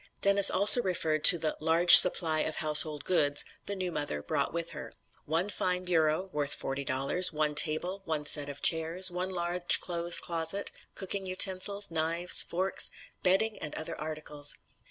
Dennis also referred to the "large supply of household goods" the new mother brought with her: "One fine bureau (worth $40), one table, one set of chairs, one large clothes chest, cooking utensils, knives, forks, bedding and other articles."